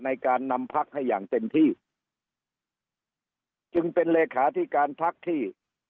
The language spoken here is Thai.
ในการนำพักให้อย่างเต็มที่จึงเป็นเลขาธิการพักที่